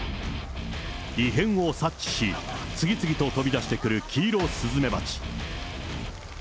異変を察知し、次々と飛び出してくるキイロスズメバチ。